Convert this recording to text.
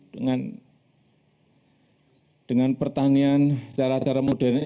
dengan dengan pertanian secara secara modern